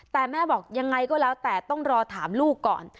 แต่แม่บอกยังไงก็แล้วแต่ต้องรอถามลูกก่อน